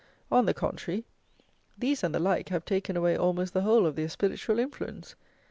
On the contrary, these and the like have taken away almost the whole of their spiritual influence.